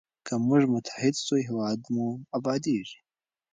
که موږ متحد سو هېواد مو ابادیږي.